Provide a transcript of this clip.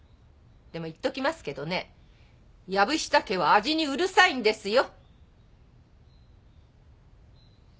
でも言っときますけどね藪下家は味にうるさいんですよ。